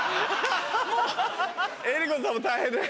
江里子さんも大変で。